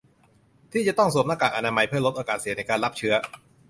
ที่จะต้องสวมหน้ากากอนามัยเพื่อลดโอกาสเสี่ยงในการรับเชื้อ